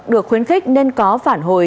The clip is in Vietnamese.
được khuyến khích nên có phản hồi